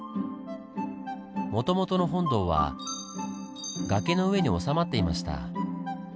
もともとの本堂は崖の上におさまっていました。